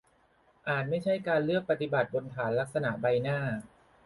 อาจไม่ใช่การเลือกปฏิบัติบนฐานลักษณะใบหน้า